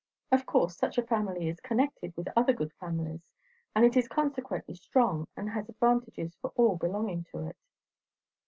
Of course such a family is connected with other good families, and it is consequently strong, and has advantages for all belonging to it."